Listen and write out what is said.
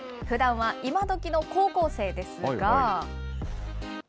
ふだんは今どきの高校生ですが。